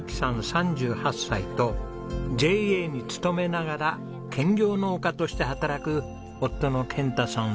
３８歳とＪＡに勤めながら兼業農家として働く夫の健太さん